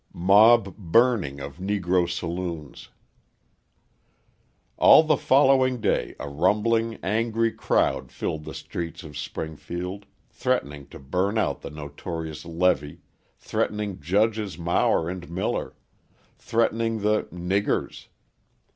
Mob Burning of Negro Saloons All the following day a rumbling, angry crowd filled the streets of Springfield, threatening to burn out the notorious Levee, threatening Judges Mower and Miller, threatening the "niggers."